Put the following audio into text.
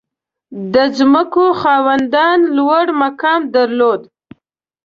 • د ځمکو خاوندان لوړ مقام درلود.